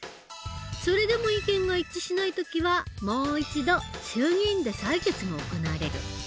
それでも意見が一致しない時はもう一度衆議院で採決が行われる。